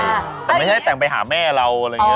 แต่ไม่ใช่แต่งไปหาแม่เราอะไรอย่างนี้